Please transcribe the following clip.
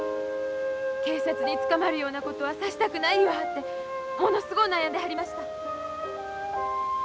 警察に捕まるようなことはさしたくない言わはってものすごう悩んではりました。